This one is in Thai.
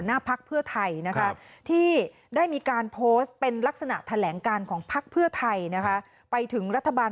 พักเพื่อไทยนะคะที่ได้มีการโพสต์เป็นลักษณะแถลงการของพักเพื่อไทยนะคะไปถึงรัฐบาล